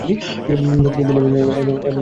তিনি দিল্লী এবং টরন্টো-তে বসবাস করেন।